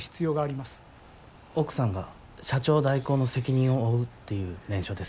奥さんが社長代行の責任を負うっていう念書です。